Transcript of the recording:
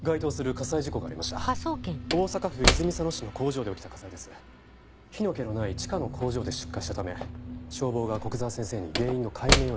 火の気のない地下の工場で出火したため消防が古久沢先生に原因の解明を依頼したようです。